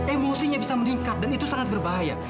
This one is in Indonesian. emosinya bisa meningkat dan itu sangat berbahaya